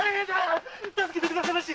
助けてくださいまし！